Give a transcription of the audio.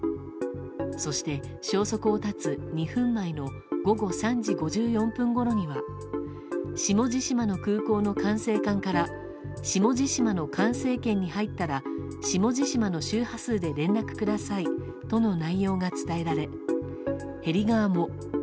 そして、消息を絶つ２分前の午後３時５４分ごろには下地島の空港の管制官から下地島の菅政権に入ったら下地島の周波数で連絡くださいとの内容が伝えられヘリ側も。